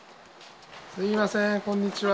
すみません、こんにちは。